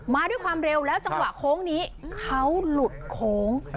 มาด้วยความเร็วแล้วจังหวะโค้งนี้เขาหลุดโค้ง